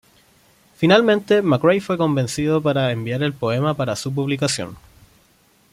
Finalmente, McCrae fue convencido para enviar el poema para su publicación.